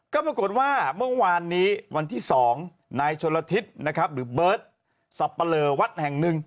ก็ปรากฎว่าเมื่อวานนี้วันที่๒ในชลฤษนะครับหรือเบิร์ทสับปะลเวร์วัดแห่ง๑